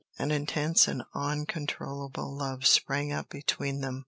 An intense and uncontrollable love sprang up between them.